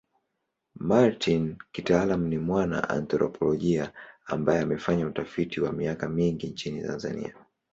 Martin kitaaluma ni mwana anthropolojia ambaye amefanya utafiti kwa miaka mingi nchini Tanzania.